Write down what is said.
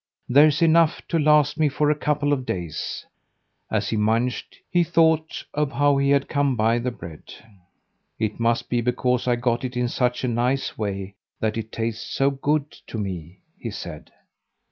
There's enough to last me for a couple of days." As he munched he thought of how he had come by the bread. "It must be because I got it in such a nice way that it tastes so good to me," he said.